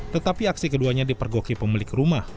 tetapi aksi keduanya dipergoki pemilik rumah